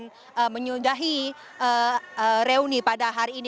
kemudian menyundahi reuni pada hari ini